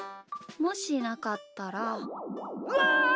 もしなかったら。わ！